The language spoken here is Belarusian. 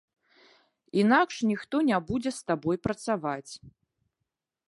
Інакш ніхто не будзе з табой працаваць.